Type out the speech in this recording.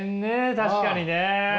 確かにね。